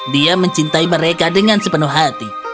dia mencintai mereka dengan sepenuh hati